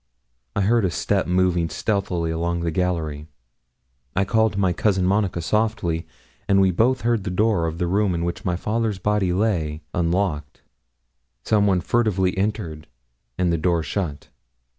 I heard a step moving stealthily along the gallery. I called my cousin Monica softly; and we both heard the door of the room in which my father's body lay unlocked, some one furtively enter, and the door shut.